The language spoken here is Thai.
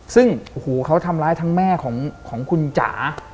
ซึ่งโอ้โหเขาทำร้ายทั้งแม่ของคุณจ๋า